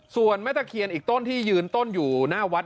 ส่วนแม่ตะเคียนอีกต้นที่ยืนต้นอยู่หน้าวัด